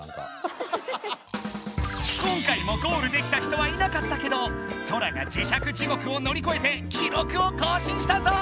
今回もゴールできた人はいなかったけどソラが磁石地獄をのりこえて記録を更新したぞ！